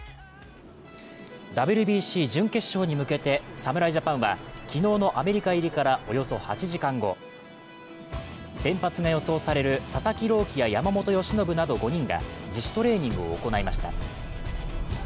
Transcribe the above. ＷＢＣ準決勝に向けて、侍ジャパンは昨日のアメリカ入りからおよそ８時間後、先発が予想される佐々木朗希や山本由伸など５人が自主トレーニングを行いました。